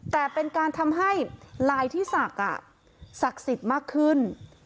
แต่เป็นการทำให้ลายที่ศักดิ์ศักดิ์สิทธิ์มากขึ้น